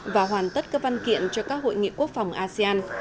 và hoàn tất các văn kiện cho các hội nghị quốc phòng asean